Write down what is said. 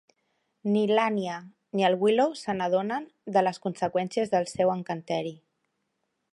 Ni l'Anya ni el Willow se n'adonen de les conseqüències del seu encanteri.